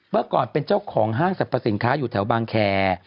เมื่อก่อนเป็นเจ้าของห้างสรรพสินค้าอยู่แถวบางแคร์